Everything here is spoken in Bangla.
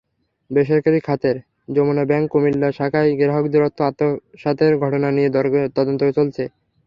বেসরকারি খাতের যমুনা ব্যাংকের কুমিল্লা শাখায় গ্রাহকের অর্থ আত্মসাতের ঘটনা নিয়ে তদন্ত চলছে।